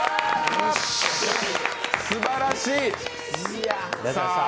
すばらしい！